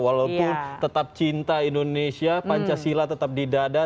walaupun tetap cinta indonesia pancasila tetap di dada